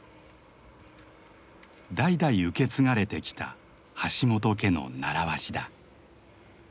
代々受け継がれてきた橋本家の習わしだ。